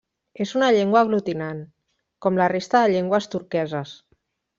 És una llengua aglutinant, com la resta de llengües turqueses.